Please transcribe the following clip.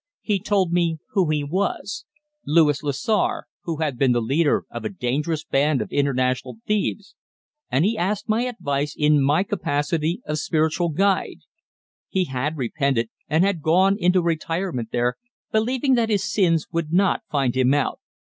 He told me who he was Louis Lessar, who had been the leader of a dangerous band of international thieves and he asked my advice in my capacity of spiritual guide. He had repented, and had gone into retirement there, believing that his sins would not find him out.